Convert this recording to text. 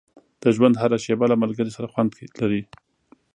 • د ژوند هره شېبه له ملګري سره خوند لري.